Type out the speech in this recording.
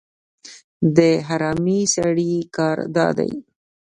د حرامي سړي کار دا دی.